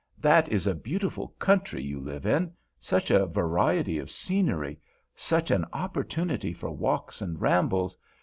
That is a beautiful country you live in. Such a variety of scenery, such an opportunity for walks and rambles!